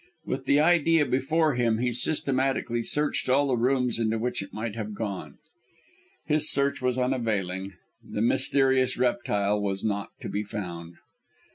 With the idea before him, he systematically searched all the rooms into which it might have gone. His search was unavailing; the mysterious reptile was not to be found.